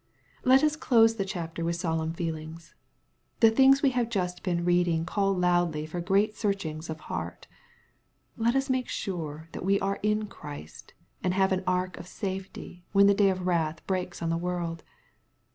\ Let us close the chapter with solemn feelings. The things we have just been reading call loudly for great searchings of heart. Let us seek to make sure that we are in Christ, and have an ark of safety when the day of wrath breaks on the world.